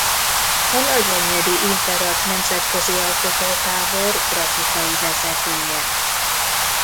A nagyenyedi Inter-Art nemzetközi alkotótábor grafikai vezetője.